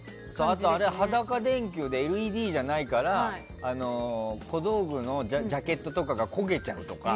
あと、あれ、裸電球でＬＥＤじゃないから小道具のジャケットとかが焦げちゃうとか。